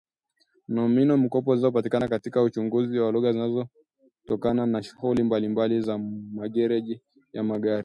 Nomino-mkopo zilizopatikana katika uchunguzi huu zinatokana na shughuli mbalimbali za magereji ya magari